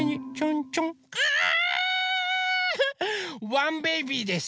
ワンベイビーです。